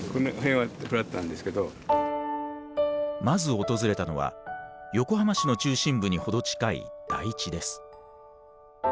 まず訪れたのは横浜市の中心部に程近い台地です。